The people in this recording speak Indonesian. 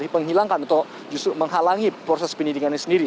atau penghilangkan atau justru menghalangi proses penyelidikan sendiri